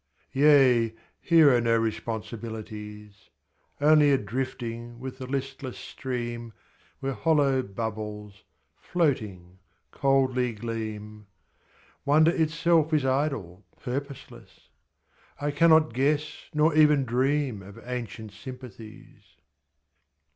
Yea, here are no responsibilities. Only a drifting with the listless stream Where hollow bubbles, floating, coldly gleam. Wonder itself is idle, purposeless; I cannot guess Nor even dream of ancient sympathies.